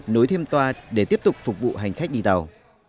nối thêm toa để tiếp tục phục vụ hành khách đi tàu